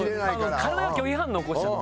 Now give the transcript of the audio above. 体が拒否反応起こしちゃって。